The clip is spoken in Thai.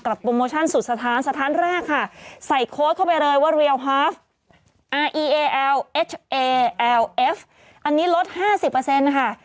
กับโปรโมชั่นสุดสถานสถานแรกค่ะใส่โค้ดเข้าไปเลยว่ารีเอลฮาฟอันนี้ลดห้าสิบเปอร์เซ็นต์ค่ะ